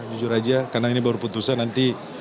jujur aja karena ini baru putusan nanti